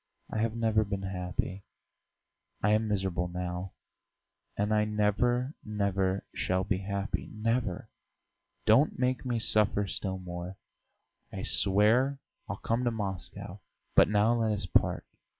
I have never been happy; I am miserable now, and I never, never shall be happy, never! Don't make me suffer still more! I swear I'll come to Moscow. But now let us part.